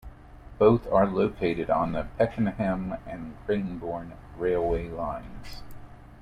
Both are located on the Pakenham and Cranbourne railway lines.